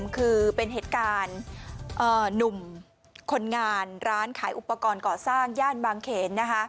คือเป็นเหตุการณ์หนุ่มคนงานร้านขายอุปกรณ์ก่อสร้างย่านบางเขน